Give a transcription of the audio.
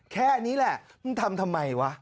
แค่นี้แหละมึงทำทำไมวะ